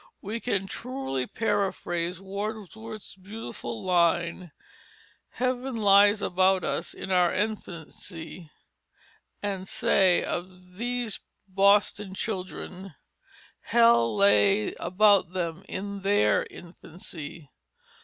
We could truthfully paraphrase Wordsworth's beautiful line "Heaven lies about us in our infancy," and say of these Boston children, "Hell lay about them in their infancy."